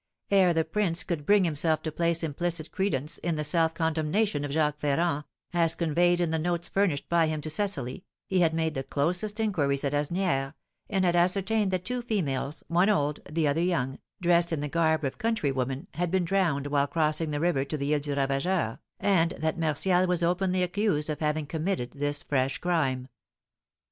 Ere the prince could bring himself to place implicit credence in the self condemnation of Jacques Ferrand, as conveyed in the notes furnished by him to Cecily, he had made the closest inquiries at Asnières, and had ascertained that two females, one old, the other young, dressed in the garb of countrywomen, had been drowned while crossing the river to the Isle du Ravageur, and that Martial was openly accused of having committed this fresh crime.